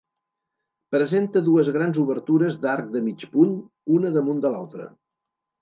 Presenta dues grans obertures d'arc de mig punt, una damunt de l'altra.